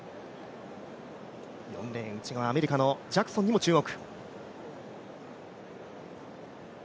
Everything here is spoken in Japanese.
４レーン内側のアメリカのジャクソンにも注目。